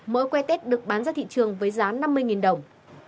mỗi que tết được bán ra thị trường với giá năm mươi đồng